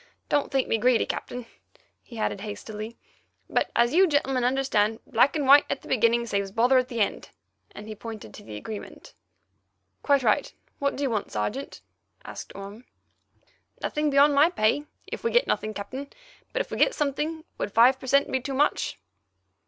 Don't think me greedy, Captain," he added hastily, "but, as you gentlemen understand, black and white at the beginning saves bother at the end"—and he pointed to the agreement. "Quite right. What do you want, Sergeant?" asked Orme. "Nothing beyond my pay, if we get nothing, Captain, but if we get something, would five per cent. be too much?"